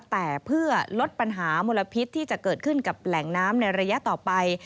แต่เพื่อลดปัญหามลพิษที่จะเกิดขึ้นกับแหล่งน้ำในระยะต่อไป